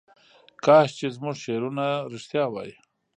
کاش چې زموږ شعرونه رښتیا وای.